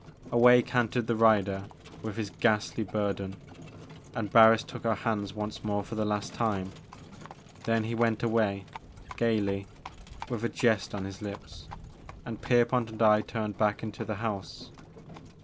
Away cantered the rider with his ghastly bur den, and Barris took our hands once more for the last time. Then he went away, gaily, with a jest on his lips, and Pierpont and I turned back into the house.